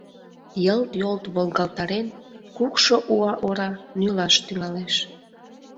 Йылт-йолт волгалтарен, кукшо уа ора нӱлаш тӱҥалеш.